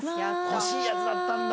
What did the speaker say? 欲しいやつだったんだ。